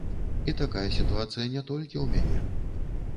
І такая сітуацыя не толькі ў мяне.